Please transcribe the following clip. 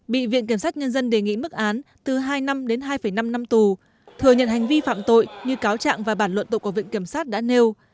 bị viện kiểm sát nhân dân đề nghị mức án từ hai năm đến hai năm năm tù thừa nhận hành vi phạm tội như cáo trạng và bản luận tội của viện kiểm sát đã nêu